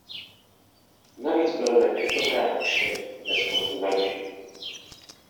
Navíc byl na těchto hrách čtvrtý ve skoku na lyžích.